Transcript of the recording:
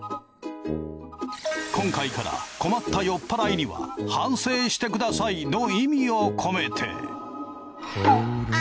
今回から困った酔っ払いには反省してくださいの意味を込めて。